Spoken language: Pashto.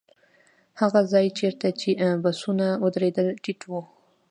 هغه ځای چېرته چې بسونه ودرېدل ټيټ و.